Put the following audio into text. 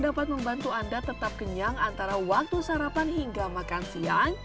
dapat membantu anda tetap kenyang antara waktu sarapan hingga makan siang